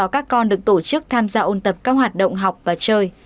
các con được tổ chức tham gia ôn tập các hoạt động học và chơi